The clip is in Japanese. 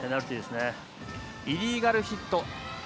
イリーガルヒット。